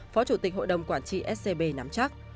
phó chủ tịch hội đồng quản trị scb nắm chắc